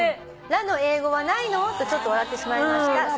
「ラの英語はないの？とちょっと笑ってしまいました」